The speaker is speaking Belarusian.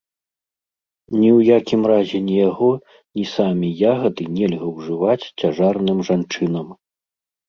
Ні ў якім разе ні яго, ні самі ягады нельга ўжываць цяжарным жанчынам.